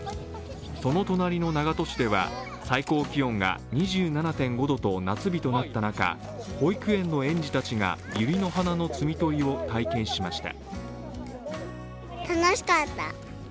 その隣の長門市では最高気温が２７．５度と夏日となった中保育園の園児たちがユリの花の摘み取りを体験しました。